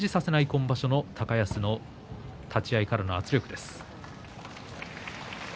今場所の高安の立ち合いからの圧力です。